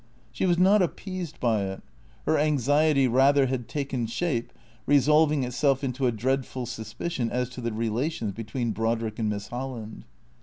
She was not appeased by it. Her anxiety rather had taken shape, resolving itself into a dreadful suspicion as to the rela tions between Brodrick and Miss Holland.